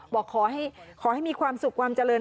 บอกขอให้มีความสุขความเจริญ